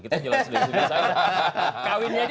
kita jelasin dari sebelumnya saja